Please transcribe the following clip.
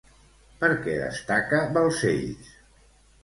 Per què destaca Balcells?